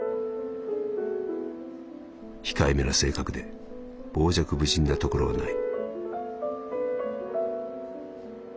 「控えめな性格で傍若無人なところはない」。